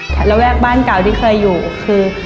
ระแวกบ้านเก่าที่เคยอยู่คือ